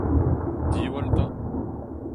Diwall 'ta !